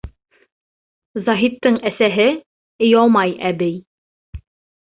Заһиттың әсәһе Иомай әбей: